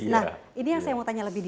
nah ini yang saya mau tanya lebih detail